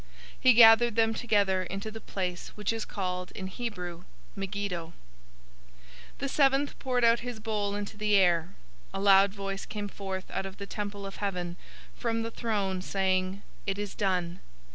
016:016 He gathered them together into the place which is called in Hebrew, Megiddo. 016:017 The seventh poured out his bowl into the air. A loud voice came forth out of the temple of heaven, from the throne, saying, "It is done!"